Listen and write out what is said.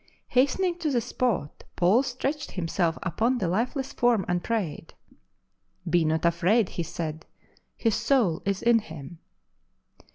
Hastening to the spot, Paul stretched himself upon the lifeless form and prayed. Be not afraid, he said, his soul is in him."